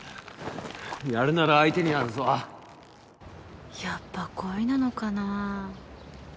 やるなら相手になるぞやっぱ恋なのかなぁ。